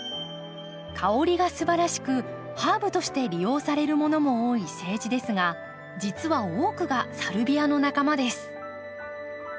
香りがすばらしくハーブとして利用されるものも多いセージですが実は多くがサルビアの仲間です。